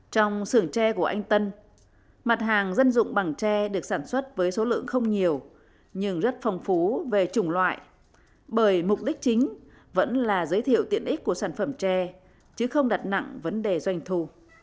trong sưởng tre của anh tân mặt hàng dân dụng bằng tre được sản xuất với số lượng không nhiều nhưng rất phong phú về chủng loại bởi mục đích chính vẫn là giới thiệu tiện ích của sản phẩm tre chứ không đặt nặng vấn đề doanh thu